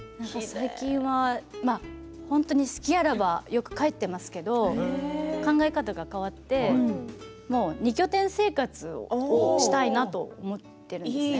最近は隙あらば帰っていますけど考え方が変わって２拠点生活をしたいなと思ってるんです。